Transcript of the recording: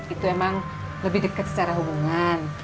itu emang lebih deket secara hubungan